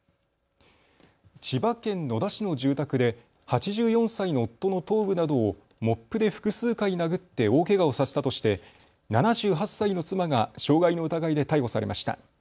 千葉県野田市の住宅で８４歳の夫の頭部などをモップで複数回殴って大けがをさせたとして７８歳の妻が傷害の疑いで逮捕されました。